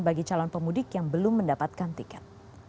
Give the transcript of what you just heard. bagi calon pemudik yang belum mendapatkan tiket